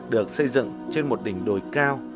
được xây dựng trên một đỉnh đồi cao